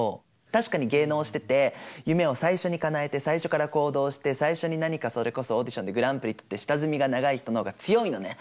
確かに芸能してて夢を最初にかなえて最初から行動して最初に何かそれこそオーディションでグランプリ取って下積みが長い人の方が強いのね。